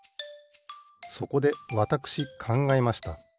そこでわたくしかんがえました。